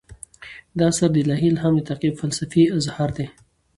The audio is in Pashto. دا اثر د الهي الهام د تعقیب فلسفي اظهار دی.